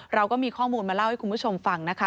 เราก็มีข้อมูลมาเล่าให้คุณผู้ชมฟังนะคะ